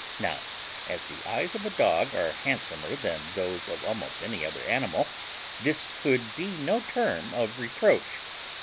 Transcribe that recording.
Now, as the eyes of a dog are handsomer than those of almost any other animal, this could be no term of reproach.